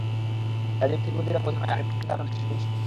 কাজেই প্রতিবন্ধীরা বোঝা নয়, আমি মনে করি, তারা দেশের জন্য সম্পদ।